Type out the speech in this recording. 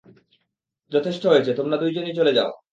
যথেষ্ট হয়েছে, তোমরা দুজনেই চলে যাও।